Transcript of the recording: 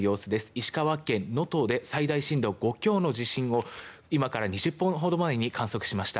石川県能登で最大震度５強の地震を今から２０分ほど前に観測しました。